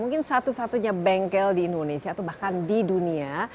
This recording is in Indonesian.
mungkin satu satunya bengkel di indonesia atau bahkan di dunia